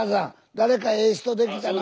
誰かええ人できたな？